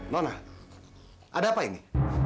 nona ada apa ini